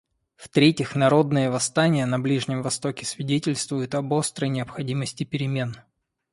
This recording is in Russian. В-третьих, народные восстания на Ближнем Востоке свидетельствуют об острой необходимости перемен.